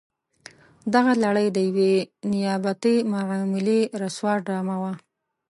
دغه لړۍ د یوې نیابتي معاملې رسوا ډرامه وه.